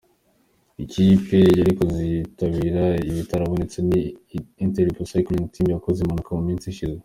Ikipe yari kuzitabira itarabonetse ni “Interpro Cycling Team” yakoze impanuka mu minsi ishize.